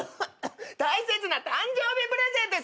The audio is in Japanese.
大切な誕生日プレゼントです。